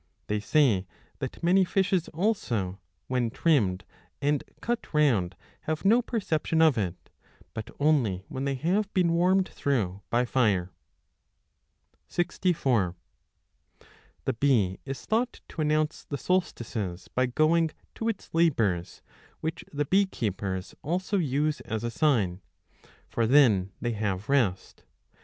They say that 20 many fishes also, when trimmed and cut round, have no perception of it, but only when they have been warmed through by fire. The bee is thought to announce the solstices by going 64 to its labours, which the bee keepers also use as a sign, 25 for then they have rest.